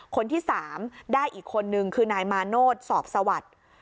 คนที่๓ได้อีกคนนึงคือนายมาโนธสอบสวัสดิ์